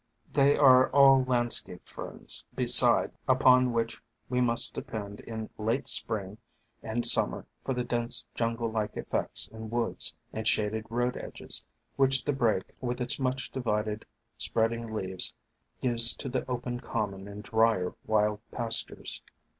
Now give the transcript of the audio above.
They are all landscape Ferns beside, upon which we must depend in late Spring and Summer for the dense jun gle like effects in woods and shaded road edges, which the Brake, with its much divided, I Q2 THE FANTASIES OF FERNS spreading leaves gives to the open common and drier wild pastures.